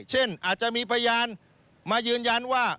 เช่นอาจจะมีพยานมายืนยันว่า